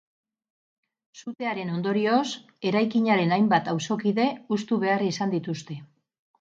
Sutearen ondorioz, eraikinaren hainbat auzokide hustu behar izan dituzte.